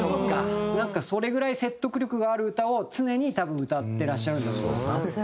なんかそれぐらい説得力がある歌を常に多分歌ってらっしゃるんでしょうね。